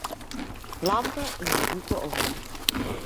Lampe yn 'e hoeke oan.